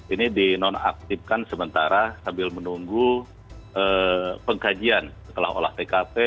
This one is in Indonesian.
ini dinonaktifkan sementara sambil menunggu pengkajian setelah olah tkp